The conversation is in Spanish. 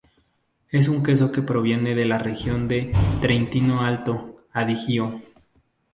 Es un queso que proviene de la región de Trentino-Alto Adigio.